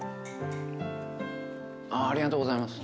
ありがとうございます。